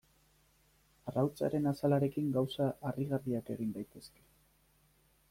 Arrautzaren azalarekin gauza harrigarriak egin daitezke.